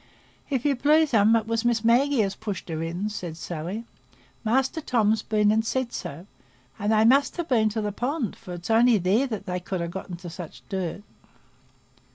"If you please, 'um, it was Miss Maggie as pushed her in," said Sally; "Master Tom's been and said so, and they must ha' been to the pond, for it's only there they could ha' got into such dirt."